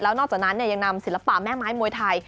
นอกจากนั้นยังนำศิลปะแม่ไม้มวยไทย